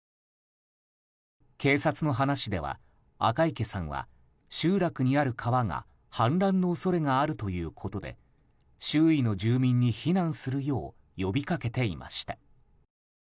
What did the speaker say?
警察の話では、赤池さんは集落にある川が氾濫の恐れがあるということで周囲の住民に避難するよう呼びかけていました。